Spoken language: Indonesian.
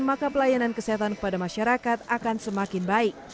maka pelayanan kesehatan kepada masyarakat akan semakin baik